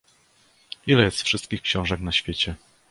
"Ile jest wszystkich książek na świecie?"